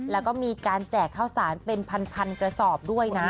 แล้วก็มีการแจกข้าวสารเป็นพันกระสอบด้วยนะ